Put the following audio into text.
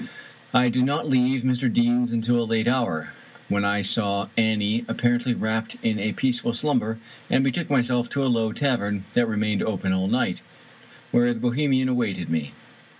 I did not leave Mr. Deane's until a late hour, when I saw Annie apparently wrapped in a peaceful slumber, and betook myself to a low tavern that remained open all night, where the Bohemian awaited me.